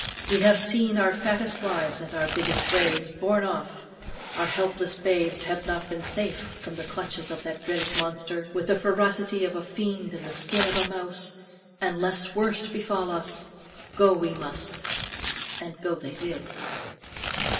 We have seen our fattest wives and our biggest braves borne off; our helpless babes have not been safe from the clutches of that dreaded monster, with the ferocity of a fiend in the skin of a mouse, and lest worst befall us, go we must." And go they did.